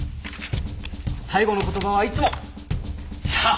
最後の言葉はいつも「さぁ」。